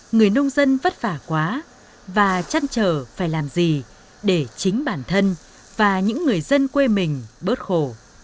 người nông dân vất vả quá và chăn trở phải làm gì để chính bản thân và những người dân quê mình bớt khổ